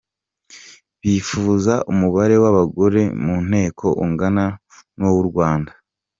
Bifuza umubare w’abagore mu Nteko ungana n’uw’u Rwanda